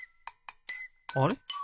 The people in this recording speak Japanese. あれ？